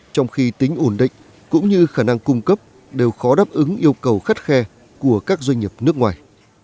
trong khi tính ổn định cũng như khả năng cung cấp đều khó đáp ứng yêu cầu khắt khe của các doanh nghiệp nước ngoài